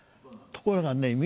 ところがね